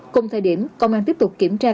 cùng thời điểm công an tiếp tục kiểm tra